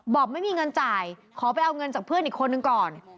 บอกไม่มีเงินจ่ายขอไปเอาเงินจากเพื่อนอีกคนนึงก่อน